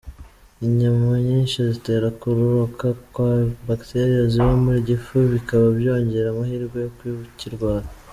Inyama nyinshi zitera kororoka kwa ‘bacteria’ ziba mu gifu bikaba byongera amahirwe yo kukirwara.